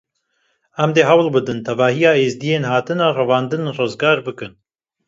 Em dê hewl bidin tevahiya Êzidiyên hatine revandin rizgar bikin.